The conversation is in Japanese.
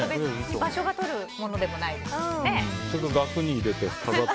場所をとるものでもないですしね。